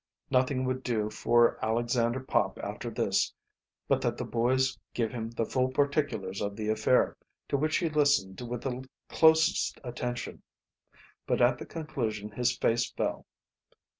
Nothing would do for Alexander Pop after this but that the boys give him the full particulars of the affair, to which he listened with the closest attention. But at the conclusion his face fell.